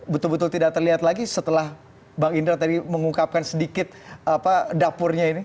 betul betul tidak terlihat lagi setelah bang indra tadi mengungkapkan sedikit dapurnya ini